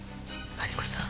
マリコさん